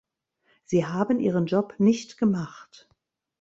Sie haben Ihren Job nicht gemacht!